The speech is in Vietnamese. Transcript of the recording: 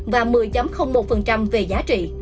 và một mươi một về giá trị